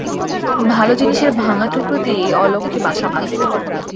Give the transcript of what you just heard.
ভালো জিনিসের ভাঙা টুকরো দিয়েই অলক্ষ্মী বাসা বাঁধে।